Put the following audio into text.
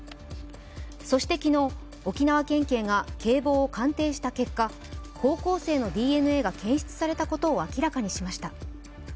そして昨日、沖縄県警が警棒を鑑定した結果、高校生のＤＮＡが検出されたことを明らかにしました。